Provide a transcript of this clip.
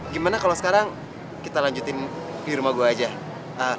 gimana kalau sekarang kita lanjutin di rumah gue aja